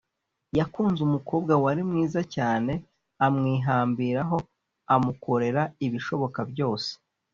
yakunze umukobwa wari mwiza cyane amwihambiraho amukorera ibishoboka byose